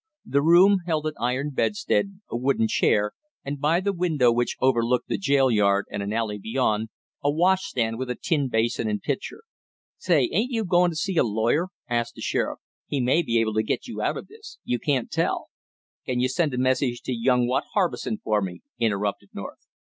The room held an iron bedstead, a wooden chair and, by the window which overlooked the jail yard and an alley beyond, a wash stand with a tin basin and pitcher. "Say, ain't you going to see a lawyer?" asked the sheriff. "He may be able to get you out of this, you can't tell " "Can you send a message to young Watt Harbison for me?" interrupted North.